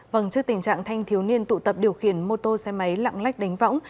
vâng trước tình trạng thanh thiếu niên tụ tập điều khiển mô tô xe máy lạng lách đánh võng